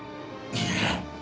いや。